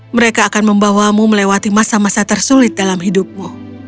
mereka akan membawamu melewati masa masa tersulit dalam hidupmu